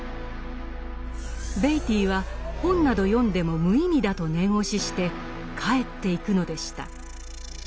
ベイティーは本など読んでも無意味だと念押しして帰っていくのでした。